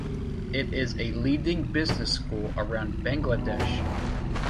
It is a leading business school around Bangladesh.